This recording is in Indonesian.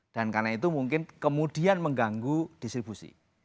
karena itu mungkin kemudian mengganggu distribusi